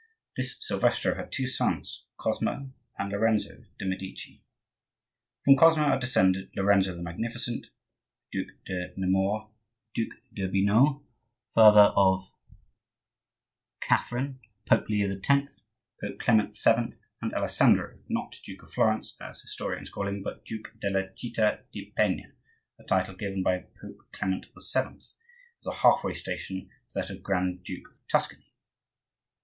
This Silvestro had two sons, Cosmo and Lorenzo de' Medici. From Cosmo are descended Lorenzo the Magnificent, the Duc de Nemours, the Duc d'Urbino, father of Catherine, Pope Leo X., Pope Clement VII., and Alessandro, not Duke of Florence, as historians call him, but Duke della citta di Penna, a title given by Pope Clement VII., as a half way station to that of Grand duke of Tuscany.